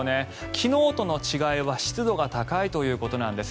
昨日との違いは湿度が高いということなんです。